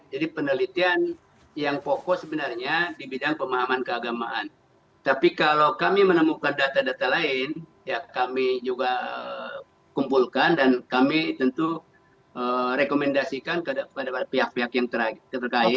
jadi penelitian yang fokus sebenarnya di bidang pemahaman keagamaan tapi kalau kami menemukan data data lain ya kami juga kumpulkan dan kami tentu rekomendasikan kepada pihak pihak yang terkait